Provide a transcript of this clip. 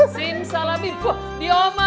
sin salam ibu di oma